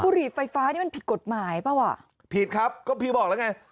หรี่ไฟฟ้านี่มันผิดกฎหมายเปล่าอ่ะผิดครับก็พี่บอกแล้วไง